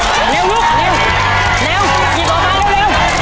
ข้างจีนก่อนนะ